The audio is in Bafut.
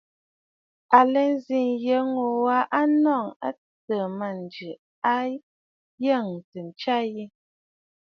À lɛ nzi nyə ŋû a nɔŋə̀ a tɨtɨ̀ɨ̀ mânjì, ŋ̀ghɔŋtə ntsya yi.